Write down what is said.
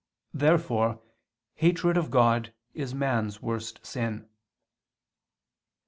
Therefore hatred of God is man's worst sin.